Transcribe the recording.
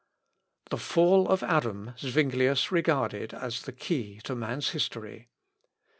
The fall of Adam, Zuinglius regarded as the key to man's history.